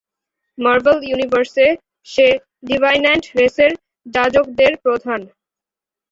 Marvel ইউনিভার্সে, সে ডিভাইন্যান্ট রেসের যাজকদের প্রধান।